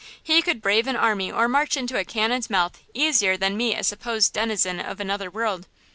he could brave an army or march into a cannon's mouth easier than meet a supposed denizen of another world!